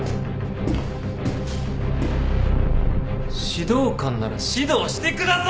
指導官なら指導してください！